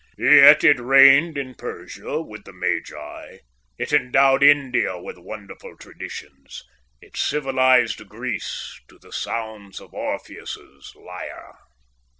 "Yet it reigned in Persia with the magi, it endowed India with wonderful traditions, it civilised Greece to the sounds of Orpheus's lyre."